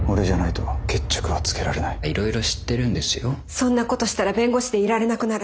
そんなことしたら弁護士でいられなくなる。